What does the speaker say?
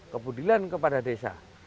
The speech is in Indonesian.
kepedulian kepada desa